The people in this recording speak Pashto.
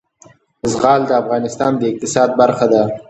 زغال د افغانستان د اقتصاد برخه ده.